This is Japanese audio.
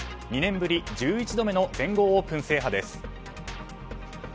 ２年ぶり１１度目の全豪オープン制覇です。